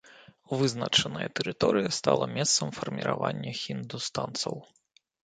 Вызначаная тэрыторыя стала месцам фарміравання хіндустанцаў.